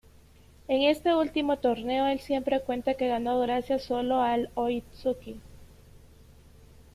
En este último torneo el siempre cuenta que ganó gracias solo al 'Oi tsuki'.